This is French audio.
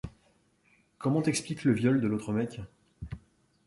Comment t’expliques le viol de l’autre mec ?